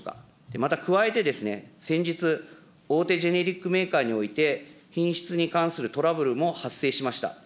また加えてですね、先日、大手ジェネリックメーカーにおいて、品質に関するトラブルも発生しました。